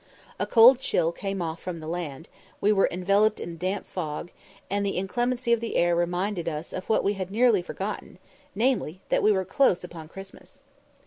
A cold chill came off from the land, we were enveloped in a damp fog, and the inclemency of the air reminded us of what we had nearly forgotten, namely, that we were close upon Christmas.